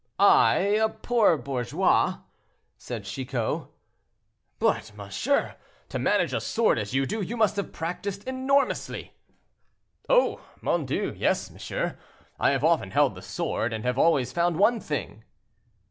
"I, a poor bourgeois!" said Chicot. "But, monsieur, to manage a sword as you do, you must have practiced enormously." "Oh! mon Dieu! yes, monsieur, I have often held the sword, and have always found one thing."